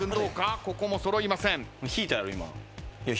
ここも揃いません。